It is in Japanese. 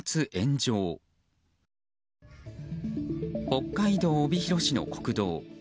北海道帯広市の国道。